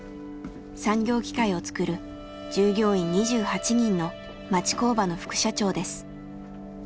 産業機械を作る従業員２８人の町工場の副社長です。